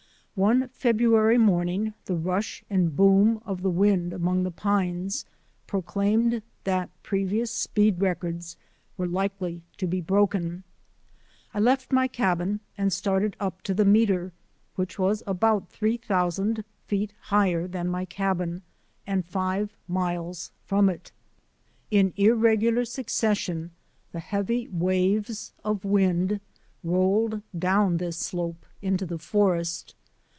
One February morning the rush and boom of the wind among the pines proclaimed that previ ous speed records were likely to be broken. I left my cabin and started up to the meter, which was about three thousand feet higher than my cabin and five miles from it. In irregular succession the heavy waves of wind rolled down this slope into the forest.